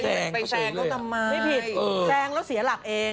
แท้งแล้วเสียหลักเอง